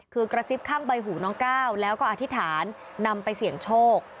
คือกระซิบข้างใบหูน้องก้าวแล้วก็อธิษฐานนำไปเสี่ยงโชค